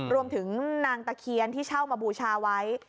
รวมถึงนางตะเคียนที่เช่ามาบูชาไว้